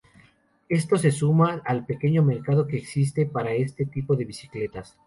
Esto se suma al pequeño mercado que existe para este tipo de bicicletas.